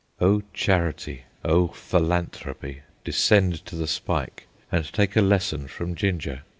O Charity, O Philanthropy, descend to the spike and take a lesson from Ginger.